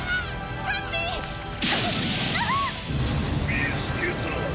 見つけた！